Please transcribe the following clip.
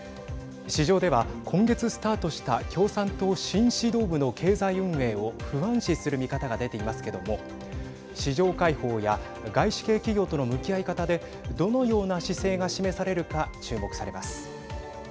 市場では今月スタートした共産党、新指導部の経済運営を不安視する見方が出ていますけども市場開放や外資系企業との向き合い方でどのような姿勢が示されるか注目されます。